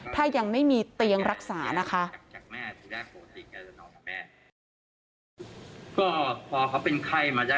ถ้ายังไม่มีเตียงรักษานะคะ